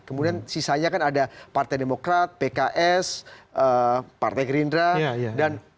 kemudian sisanya kan ada partai demokrat pks partai gerindra dan pan ini masih belum jelas sih